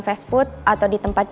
kita bisa bergerak